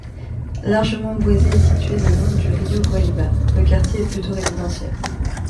Largement boisé et situé le long du Rio Guaíba, le quartier est plutôt résidentiel.